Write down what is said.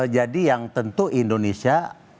jadi yang tentu indonesia